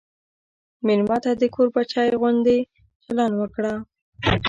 مېلمه ته د کور بچی غوندې چلند وکړه.